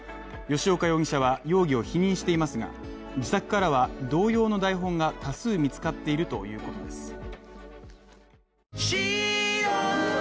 吉岡容疑者は容疑を否認していますが、自宅からは同様の台本が多数見つかっているということです。